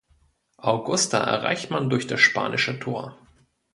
Augusta erreicht man durch das Spanische Tor.